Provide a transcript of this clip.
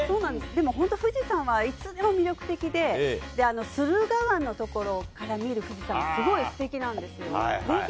でも本当、富士山はいつでも魅力で、駿河湾の所から見る富士山、すごいすてきなんですよ。